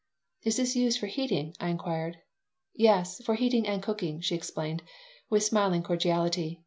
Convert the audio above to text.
"Is this used for heating?" I inquired "Yes, for heating and cooking," she explained, with smiling cordiality.